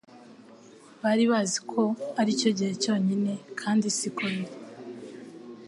Bari bazi ko aricyo gihe cyonyine kandi siko biri